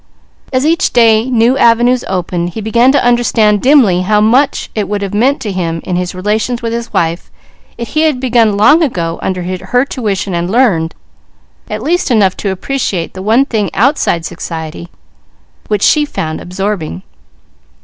As each day new avenues opened, he began to understand dimly how much it would have meant to him in his relations with his wife, if he had begun long ago under her tuition and learned, at least enough to appreciate the one thing outside society, which she found absorbing.